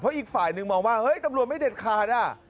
อีกฝ่ายหนึ่งมองว่าเฮ้ยตำรวจไม่เด็ดขาดอ่ะ